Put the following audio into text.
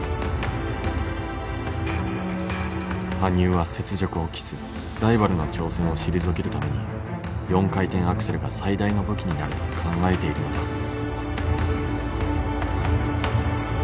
羽生は雪辱を期すライバルの挑戦を退けるために４回転アクセルが最大の武器になると考えているのだ。